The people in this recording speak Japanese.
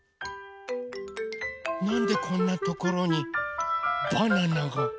なんでこんなところにバナナが？